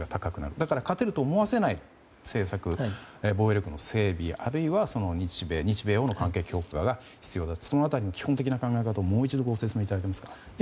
だから、勝てると思わせない政策防衛力の整備や日米欧の関係強化が必要その辺りの基本的な考え方をもう一度ご説明いただけますか。